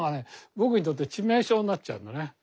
僕にとって致命傷になっちゃうのね。